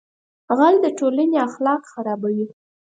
غل د ټولنې اخلاق خرابوي